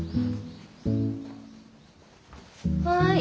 はい。